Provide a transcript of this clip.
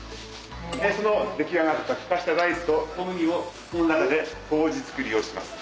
出来上がったふかした大豆と小麦をこの中で麹作りをします。